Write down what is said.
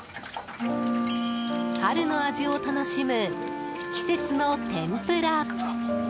春の味を楽しむ季節の天ぷら。